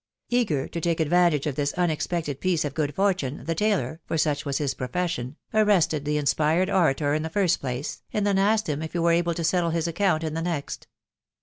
Eager to take advan tage of this unexpected piece of good fortune, the tailor (fox such was his profession) arrested the inspired orator in the first place, and then asked him if he were able to settle his account in the. next.